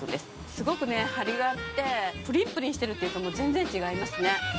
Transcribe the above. すごくねハリがあってプリンプリンしてるっていうかもう全然違いますね。